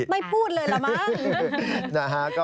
ไม่พูดเลยล่ะมั่ง